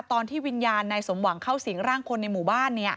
ตอนที่วิญญาณนายสมหวังเข้าสิงร่างคนในหมู่บ้าน